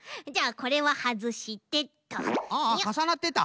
ああかさなってた！